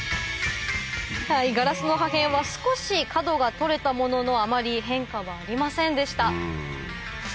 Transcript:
ガラスの破片は少し角が取れたもののあまり変化はありませんでした